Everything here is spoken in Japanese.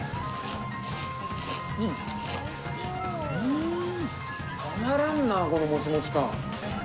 うん、うーん。たまらんな、このもちもち感。